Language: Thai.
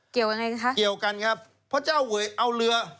ยังไงคะเกี่ยวกันครับพระเจ้าเวยเอาเรือ